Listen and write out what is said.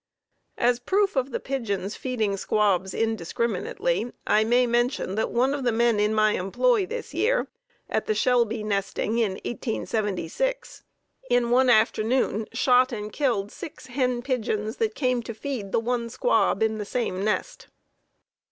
As proof of the pigeons feeding squabs indiscriminately, I may mention that one of the men in my employ this year, at the Shelby nesting in 1876, in one afternoon shot and killed six hen pigeons that came to feed the one squab in the same nest.